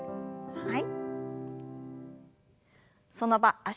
はい。